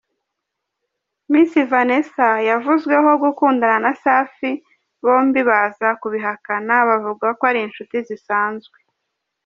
Miss Vanessa yavuzweho gukundana na Safi bombi baza kubihakana bavuga ko ari inshuti zisanzwe.